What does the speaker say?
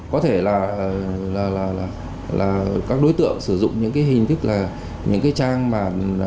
có thể là các đối tượng sử dụng những cái hình thức là những cái trang mà